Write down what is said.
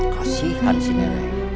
kasihkan sini nenek